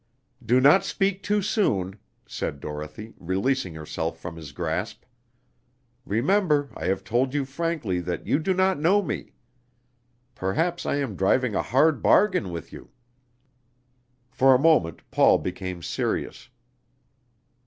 "Do not speak too soon," said Dorothy, releasing herself from his grasp. "Remember I have told you frankly that you do not know me. Perhaps I am driving a hard bargain with you!" For a moment Paul became serious.